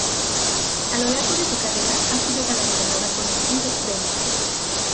A lo largo de su carrera ha sido galardonada con distintos premios.